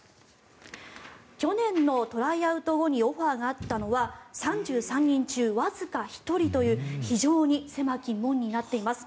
去年のトライアウト後にオファーがあったのは３３人中わずか１人という非常に狭き門になっています。